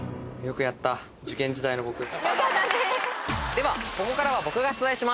ではここからは僕が出題します。